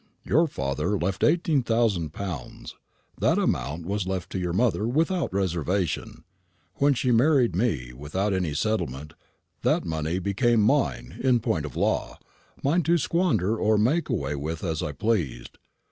"Your father left eighteen thousand pounds; that amount was left to your mother without reservation. When she married me, without any settlement, that money became mine, in point of law mine to squander or make away with as I pleased.